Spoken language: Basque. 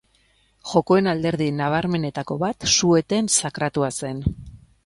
Jokoen alderdi nabarmenetako bat, su-eten sakratua zen.